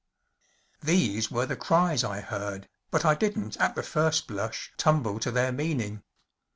‚ÄĚ These were the cries I heard, but I didn’t at the first blush tumble to their meaning.